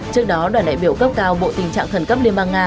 trước đó đoàn đại biểu cấp cao bộ tình trạng khẩn cấp liên bang nga